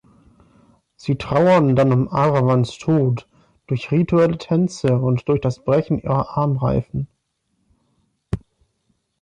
Sie trauern dann um Aravans Tod durch rituelle Tänze und durch das Brechen ihrer Armreifen